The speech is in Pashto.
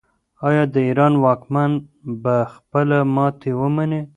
آیا د ایران واکمن به خپله ماتې ومني؟